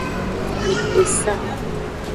Di esa.